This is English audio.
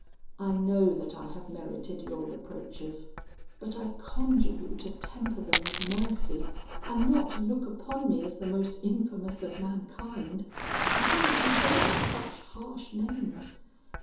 I know that I have merited your reproaches, but I conjure you to temper them with mercy, and not to look upon me as the most infamous of mankind. I do not deserve such harsh names.